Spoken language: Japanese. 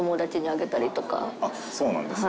あっそうなんですね。